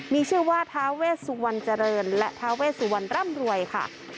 มีชื่อว่าทาเวสุวรรณเจริญและท้าเวสุวรรณร่ำรวยค่ะ